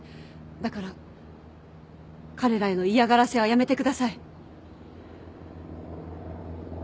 だから彼らへの嫌がらせはやめてください。